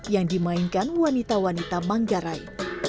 yang dimainkan wanita wanita manggarai